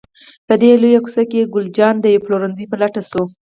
په دې لویه کوڅه کې، ګل جانه د یوه پلورنځي په لټه شوه.